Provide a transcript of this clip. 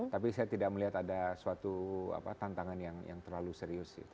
tapi saya tidak melihat ada suatu tantangan yang terlalu serius